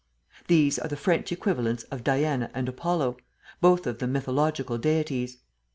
These are the French equivalents of Diana and Apollo, both of them mythological deities.